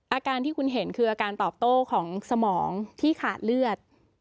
อาการที่คุณเห็นคืออาการตอบโต้ของสมองที่ขาดเลือด